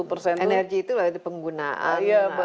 energi itu penggunaan industri